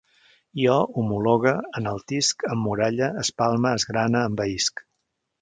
Jo homologue, enaltisc, emmuralle, espalme, esgrane, envaïsc